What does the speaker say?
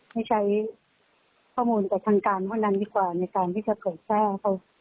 ไม่ใช้ข้อมูลกับทางการเพราะนั้นดีกว่าในการที่จะเกิดแทรกเขา